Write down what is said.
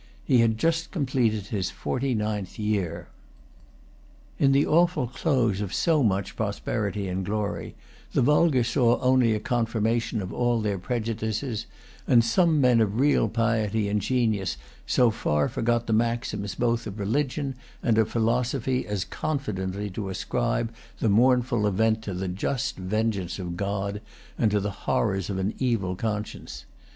He had just completed his forty ninth year. In the awful close of so much prosperity and glory, the vulgar saw only a confirmation of all their prejudices; and some men of real piety and genius so far forgot the maxims both of religion and of philosophy as confidently to ascribe the mournful event to the just vengeance of God, and to the horrors of an evil conscience.